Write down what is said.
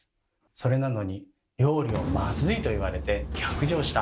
それなのに料理を「まずい」と言われて逆上した。